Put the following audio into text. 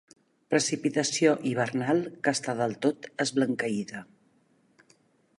Precipitació hivernal que està del tot esblanqueïda.